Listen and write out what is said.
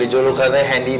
dijulurkan saya handyman